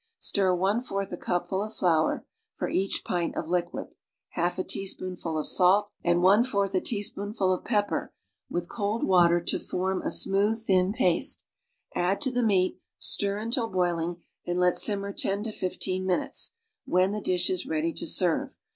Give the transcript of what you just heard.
Stir one fourth a cupful of flour (for each pint of liquid), half a teaspoonful of salt, and one fourth a teaspoonful of pepper with cold water to form a smooth, thin paste; add to the meat, stir until boiling, and let simmer ten to fifteen minutes, when the dish is ready to serve.